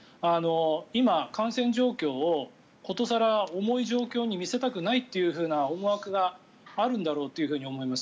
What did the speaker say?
今、感染状況を殊更重い状況に見せたくないという思惑があるんだろうと思います。